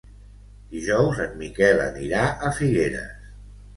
Dijous en Miquel anirà a Figueres.